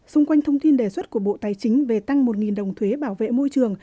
xung quanh thông tin đề xuất của bộ tài chính về tăng một đồng thuế bảo vệ môi trường